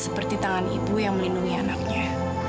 seperti tangan ibu yang melindungi anaknya